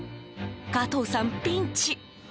加藤さん、ピンチ。